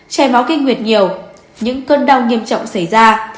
chảy máu kinh nguyệt nhiều những cơn đau nghiêm trọng xảy ra